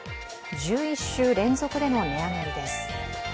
１１週連続での値上がりです。